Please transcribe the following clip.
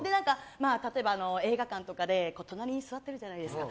例えば映画館とかで隣に座ってるじゃないですか。